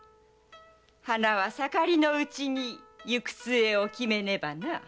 花は盛りのうちに行く末を決めねばな。